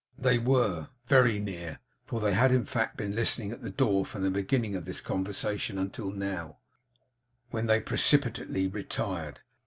They were, very near; for they had in fact been listening at the door from the beginning of this conversation until now, when they precipitately retired.